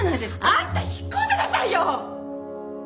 あんた引っ込んでなさいよ！